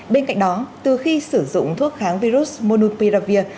bên cạnh đó từ khi sử dụng thuốc kháng virus monupiravir